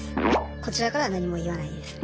こちらからは何も言わないですね。